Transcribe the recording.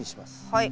はい。